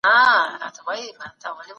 احساساتي استخبارات د بریا لپاره مهم دي.